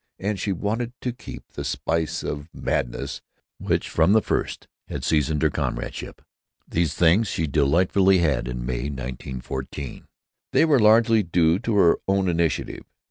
And she wanted to keep the spice of madness which from the first had seasoned their comradeship. These things she delightfully had, in May, 1914. They were largely due to her own initiative.